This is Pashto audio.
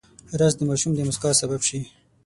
رس د ماشوم د موسکا سبب شي